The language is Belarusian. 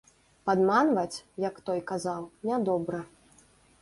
Падманваць, як той казаў, нядобра.